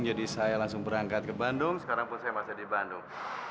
jadi saya langsung berangkat ke bandung sekarang pun saya masih di bandung